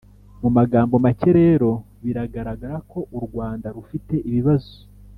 mu magambo make rero biragaragara ko u rwanda rufite ibibazo